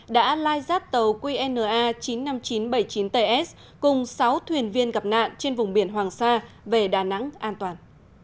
đã lai rát tàu qna chín mươi năm nghìn chín trăm bảy mươi chín ts cùng sáu thuyền viên gặp nạn trên vùng biển hoàng sa về đà nẵng an toàn